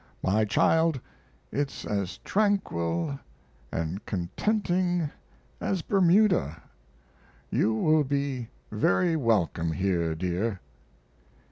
My child, it's as tranquil & contenting as Bermuda. You will be very welcome here, dear.